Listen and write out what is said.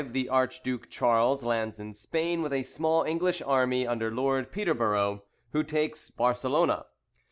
The Archduke Charles lands in Spain with a small English army under Lord Peterborough, who takes Barcelona.